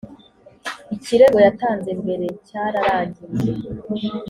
ikirego yatanze mbere cyararangiye.